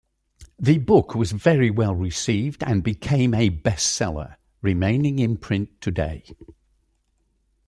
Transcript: The book was very well received and became a bestseller, remaining in print today.